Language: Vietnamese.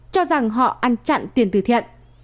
cho rằng họ ăn chặn tiền từ thiện